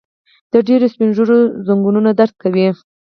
د ډيرو سپين ږيرو ځنګنونه درد کوي.